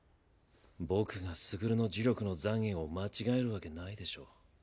僕が傑の呪力の残穢を間違えるわけないでしょ。